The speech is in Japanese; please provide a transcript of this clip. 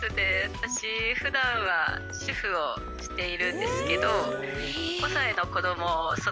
私普段は主婦をしているんですけど。